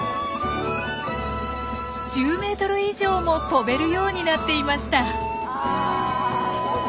１０メートル以上も飛べるようになっていました。